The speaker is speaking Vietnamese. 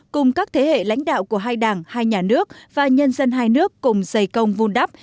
cùng các thế hệ lãnh đạo của hai đảng hai nhà nước và nhân dân hai nước cùng dày công vun đắp